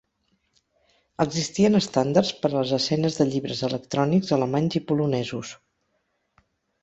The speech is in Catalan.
Existien estàndards per a les escenes de llibres electrònics alemanys i polonesos.